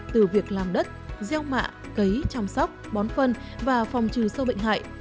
từ việc làm đất gieo mạ cấy chăm sóc bón phân và phòng trừ sâu bệnh hại